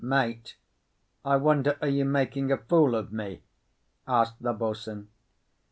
"Mate, I wonder are you making a fool of me?" asked the boatswain.